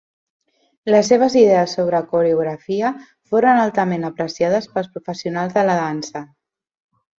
Les seves idees sobre coreografia foren altament apreciades pels professionals de la dansa.